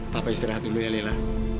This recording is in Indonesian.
papa istirahat dulu ya lela